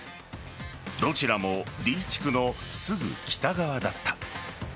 どちらもＤ地区のすぐ北側だった。